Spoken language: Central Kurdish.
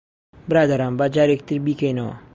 برادەران، با جارێکی تر بیکەینەوە.